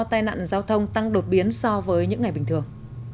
tai nạn giao thông tăng đột biến so với những ngày bình thường